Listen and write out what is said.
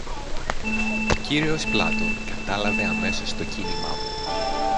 Ο κύριος Πλάτων κατάλαβε αμέσως το κίνημά μου